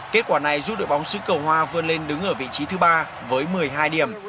kết quả này giúp đội bóng xứ cầu hoa vươn lên đứng ở vị trí thứ ba với một mươi hai điểm